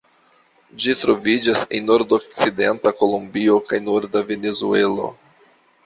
Ĝi troviĝas en nordokcidenta Kolombio kaj norda Venezuelo.